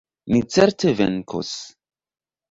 Ni certe venkos!